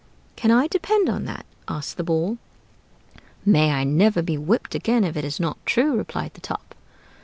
"Can I depend on that?" asked the Ball. "May I never be whipped again if it is not true!" replied the Top.